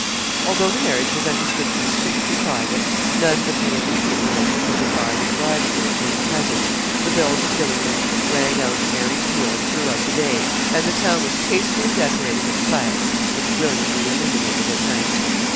Although the marriage was understood to be strictly private none but the immediate relations of the bride and bridegroom being present the bells of Gylingden rang out merry peals throughout the day, and the town was tastefully decorated with flags, and brilliantly illuminated at night.